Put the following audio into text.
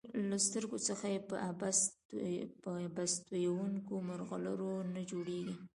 له سترګو څخه یې په عبث تویېدونکو مرغلرو نه جوړیږي.